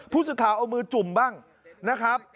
ผู้สื่อข่าวเอามือจุ่มบ้างนะครับ